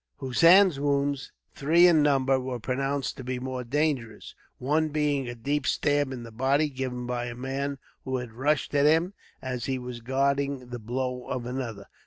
Hossein's wounds, three in number, were pronounced to be more dangerous, one being a deep stab in the body, given by a man who had rushed at him, as he was guarding the blow of another.